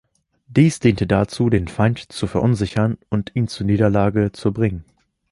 Dies diente dazu, den Feind zu verunsichern und ihn zur Niederlage zu bringen.